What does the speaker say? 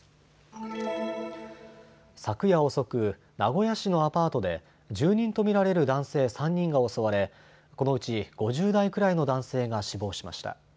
昨夜遅く、名古屋市のアパートで住人と見られる男性３人が襲われこのうち５０代くらいの男性が死亡しました。